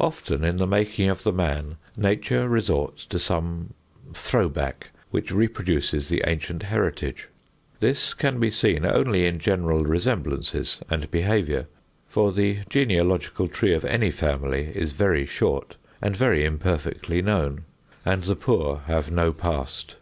Often in the making of the man Nature resorts to some "throw back" which reproduces the ancient heritage. This can be seen only in general resemblances and behavior, for the genealogical tree of any family is very short and very imperfectly known, and the poor have no past.